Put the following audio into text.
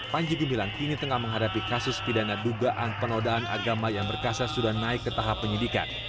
panji gumilang kini tengah menghadapi kasus pidana dugaan penodaan agama yang berkasa sudah naik ke tahap penyidikan